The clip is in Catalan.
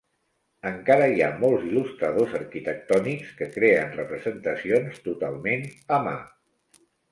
Encara hi ha molts il·lustradors arquitectònics que creen representacions totalment a mà.